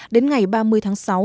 đến ngày ba mươi tháng sáu